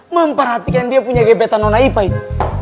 memperhatikan dia punya gebetan nona ipa itu